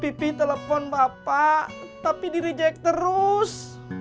pipi telepon bapak tapi di reject terus